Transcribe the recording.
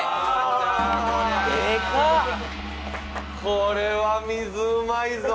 これは水うまいぞ！